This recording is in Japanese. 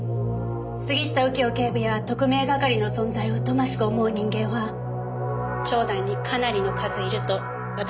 杉下右京警部や特命係の存在を疎ましく思う人間は庁内にかなりの数いると私は思います。